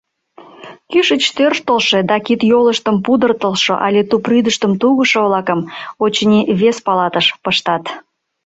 Кӱшыч тӧрштылшӧ да кид-йолыштым пудыртылшо але тупрӱдыштым тугышо-влакым, очыни, вес палатыш пыштат.